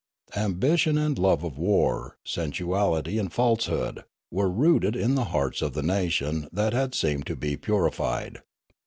Ambition and love of war, sensuality and falsehood, were rooted in the hearts of the nation that had seemed to be purified.